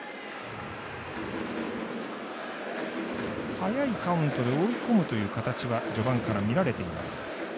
早いカウントで追い込むという形は序盤から見られています。